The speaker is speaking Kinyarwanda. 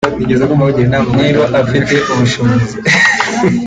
niba afite ubushobozi